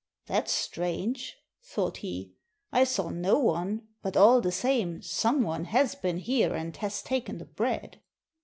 "That's strange," thought he; "I saw no one, but all the same some one has been here and has taken the bread!"